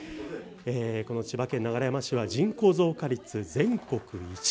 千葉県流山市は人口増加率全国１位。